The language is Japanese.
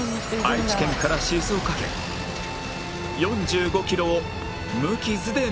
愛知県から静岡県４５キロを無傷で納品